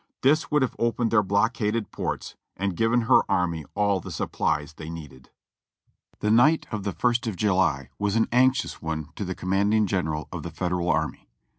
This would have opened her blockaded ports and given her army all the supplies they needed. The night of the ist of July was an anxious one to the com manding general of the Federal army.